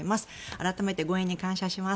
改めて、ご縁に感謝します。